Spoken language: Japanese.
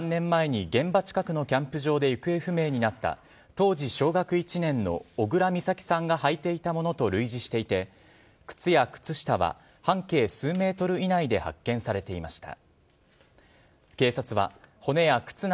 靴は、３年前に現場近くのキャンプ場で行方不明になった、当時小学１年の小倉美咲さんが履いていたものと類似していて、靴や靴下は半径数メートル以内で発見されていました。